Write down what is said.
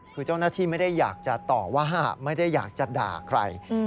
คือเจ้าหน้าที่ไม่ได้อยากจะต่อว่าไม่ได้อยากจะด่าใคร